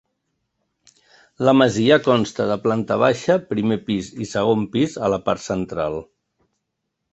La masia consta de planta baixa, primer pis i segon pis a la part central.